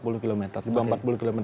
lebih dari empat puluh km